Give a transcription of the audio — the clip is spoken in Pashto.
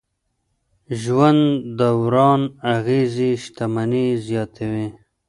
ژوند دوران اغېزې شتمني زیاتوي.